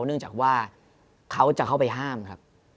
เนื่องจากว่าเขาจะเข้าไปห้ามครับ